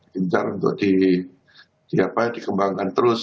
gencar untuk di kembangkan terus